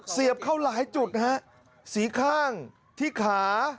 เข้าหลายจุดนะฮะสีข้างที่ขา